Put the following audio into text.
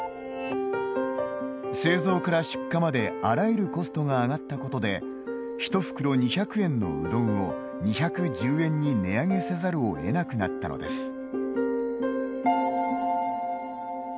製造から出荷まであらゆるコストが上がったことで１袋２００円のうどんを２１０円に値上げせざるを得なくなったのです。